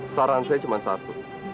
saran saya cuma satu